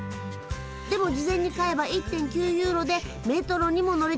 でも事前に買えば１．９ユーロでメトロにも乗れちゃう。